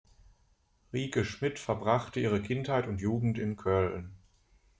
Rike Schmid verbrachte ihre Kindheit und Jugend in Köln.